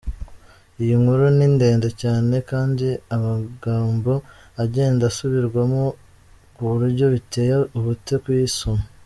Iyi nkuru ni ndende Cyane kandi amagambo agenda asubirwamo kuburyo biteye ubute kuyisoma.